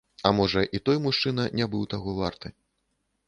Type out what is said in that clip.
А можа, і той мужчына не быў таго варты.